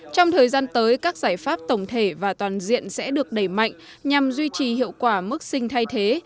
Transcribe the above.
trong thời gian tới các giải pháp tổng thể và toàn diện sẽ được đẩy mạnh nhằm duy trì hiệu quả mức sinh thay thế